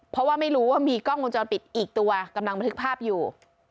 เพราะว่าไม่รู้ว่ามีกล้องวงจรปิดอีกตัวกำลังบันทึกภาพอยู่